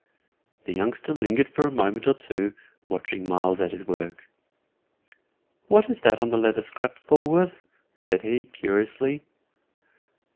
The youngster lingered for a moment or two watching Myles at his work. "What is that on the leather scrap, Falworth?" said he, curiously.